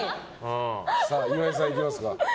岩井さん、いきますか。